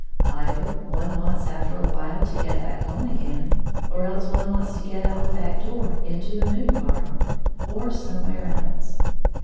Either one wants 92 after a while to get back home again, or else one wants to get out the back door into the moon garden, or somewhere else.